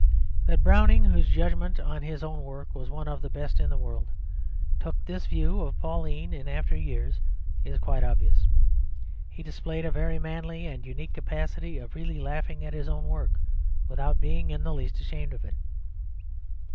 That Browning, whose judgment on his own work was one of the best in the world, took this view of Pauline in after years is quite obvious. He displayed a very manly and unique capacity of really laughing at his own work without being in the least ashamed of it.